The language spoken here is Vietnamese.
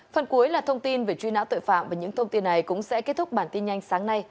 phần cuối là thông tin về truy nã tội phạm và những thông tin này cũng sẽ kết thúc bản tin nhanh sáng nay